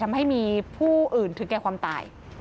ทำให้มีผู้อื่นถึงแก่ความตาย